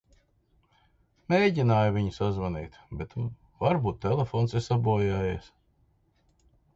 Mēģināju viņu sazvanīt, bet varbūt telefons ir sabojājies.